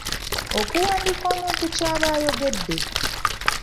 Okuwandiika omuntu ky’aba ayogedde.